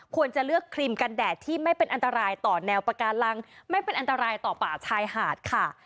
ควรจะเลือกครีมกันแดดที่ไม่เป็นอันตรายต่อแนวปากาลังไม่เป็นอันตรายต่อป่าชายหาดค่ะ